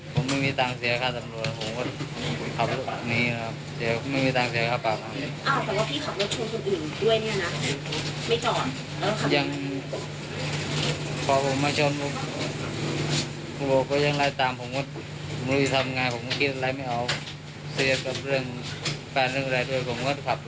ผมขับหลบก็ไม่เป็นไรครับ